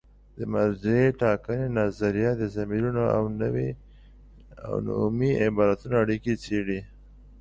د مرجع ټاکنې نظریه د ضمیرونو او نومي عبارتونو اړیکې څېړي.